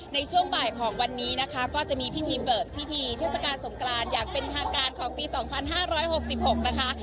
ในช่วงบ่ายของวันนี้นะคะก็จะมีพิธีเปิดพิธีเทศกาลสงกรานอย่างเป็นทางการของปีสองพันห้าร้อยหกสิบหกนะคะ